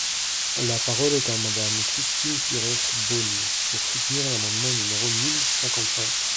La parole est à Madame Christine Pires Beaune, pour soutenir l’amendement numéro mille cinquante-cinq.